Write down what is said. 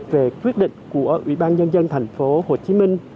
về quyết định của ủy ban nhân dân thành phố hồ chí minh